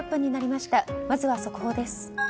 まずは速報です。